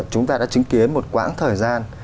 chúng ta đã chứng kiến một quãng thời gian